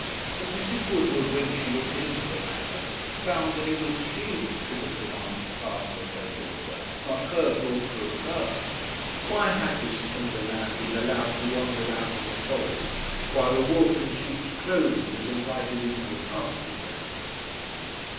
But Mrs. Woodward, when she looked into the matter, found that it was she that should have demanded pardon of her daughter, not her daughter of her! Why had this tender lamb been allowed to wander out of the fold, while a wolf in sheep's clothing was invited into the pasture ground?